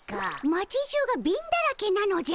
町じゅうが貧だらけなのじゃ。